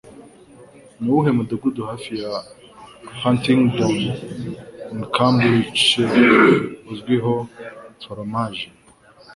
Nuwuhe Mudugudu Hafi ya Huntingdon Im Cambridgeshire Uzwiho foromaje